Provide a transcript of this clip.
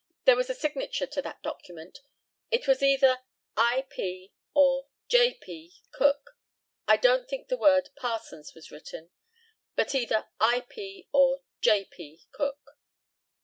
There was a signature to that document. It was either "I. P." or "J. P. Cook." I don't think the word "Parsons" was written, but either "I. P." or "J. P. Cook."